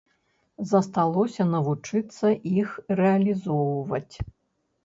Засталося навучыцца іх рэалізоўваць.